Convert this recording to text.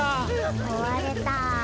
こわれた。